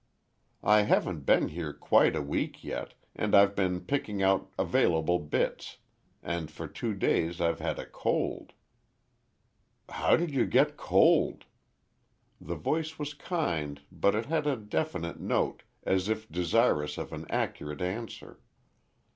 "I haven't been here quite a week yet—and I've been picking out available bits—and for two days I've had a cold." "How did you get cold?" The voice was kind but it had a definite note, as if desirous of an accurate answer.